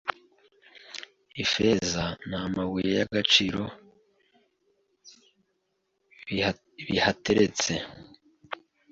ifeza namabuye yagaciro bihateretse